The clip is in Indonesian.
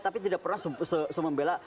tapi tidak pernah semembela